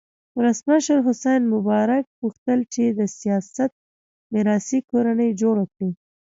ولسمشر حسن مبارک غوښتل چې د سیاست میراثي کورنۍ جوړه کړي.